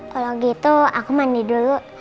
kalau gitu aku mandi dulu